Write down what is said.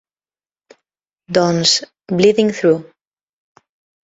Doncs Bleeding Through.